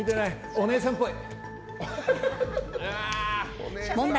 お姉さんっぽい。